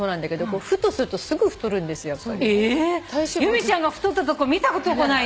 由美ちゃんが太ったとこ見たことないね。